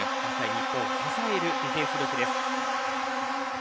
日本代表を支えるディフェンス力です。